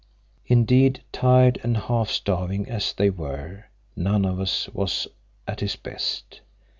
Indeed, tired and half starving as we were, none of us was at his best.